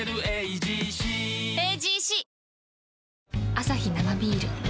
アサヒ生ビール